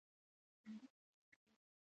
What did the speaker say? ملګری د ژوند ملګری دی